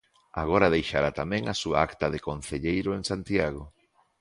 Agora deixará tamén a súa acta de concelleiro en Santiago.